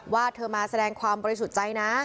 ว่าเธอมาแสดงความบริสุทธิ์ใจนะ